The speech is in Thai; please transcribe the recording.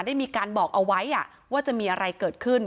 ได้มีการบอกเอาไว้ว่าจะมีอะไรเกิดขึ้น